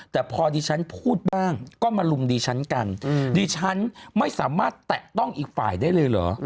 แต่พอดีฉันพูดบ้างก็มาลุมดีฉันกันดิฉันไม่สามารถแตะต้องอีกฝ่ายได้เลยเหรอ